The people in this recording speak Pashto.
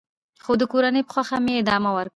خو د کورنۍ په خوښه مې ادامه ورکړه .